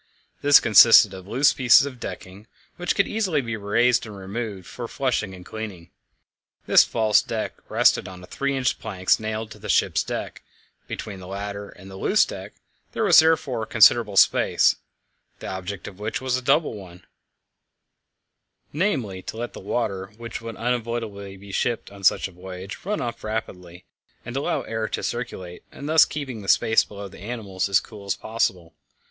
This consisted of loose pieces of decking, which could easily be raised and removed for flushing and cleaning. This false deck rested on three inch planks nailed to the ship's deck; between the latter and the loose deck there was therefore a considerable space, the object of which was a double one namely, to let the water, which would unavoidably be shipped on such a voyage, run off rapidly, and to allow air to circulate, and thus keep the space below the animals as cool as possible.